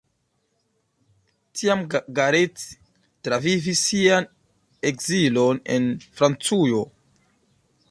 Tiam Garrett travivis sian ekzilon en Francujo.